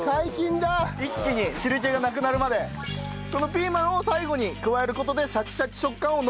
ピーマンを最後に加える事でシャキシャキ食感を残しつつ。